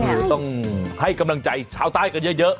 ทุกวันนี้ต้องให้กำลังใจชาวต้ายกันเยอะ